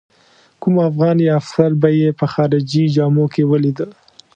کوم افغان یا افسر به یې په خارجي جامو کې ولیده.